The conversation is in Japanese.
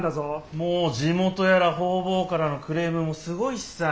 もう地元やら方々からのクレームもすごいしさ